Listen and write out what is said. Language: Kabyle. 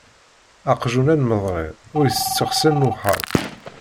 Aqjun anmeḍri ur itett iɣsan n uxxam.